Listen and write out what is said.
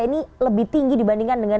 ini lebih tinggi dibandingkan dengan